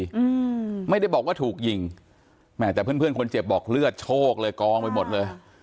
อืมไม่ได้บอกว่าถูกยิงแม่แต่เพื่อนเพื่อนคนเจ็บบอกเลือดโชคเลยกองไปหมดเลย